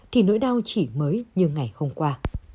thì nỗi đau chỉ mới như ngày hôm qua